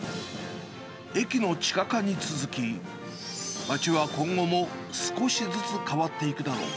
駅の地下化に続き、街は今後も少しずつ変わっていくだろう。